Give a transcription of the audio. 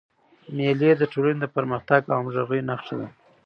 مېلې د ټولني د پرمختګ او همږغۍ نخښه ده.